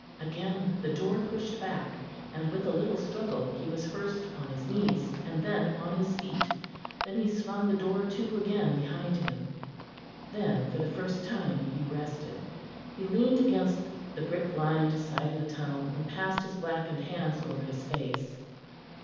Again the door pushed back, and with a little struggle he was first on his knees, and then on his feet. Then he swung the door to again behind him. Then for the first time he rested; he leaned against the brick lined side of the tunnel and passed his blackened hands over his face.